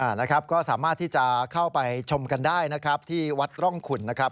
นะครับก็สามารถที่จะเข้าไปชมกันได้นะครับที่วัดร่องขุนนะครับ